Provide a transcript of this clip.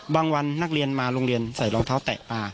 วันนักเรียนมาโรงเรียนใส่รองเท้าแตะปลา